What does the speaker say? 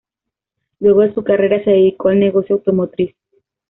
Luego de su carrera se dedicó al negocio automotriz.